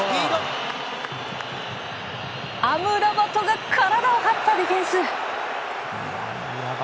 アムラバトが体を張ったディフェンス。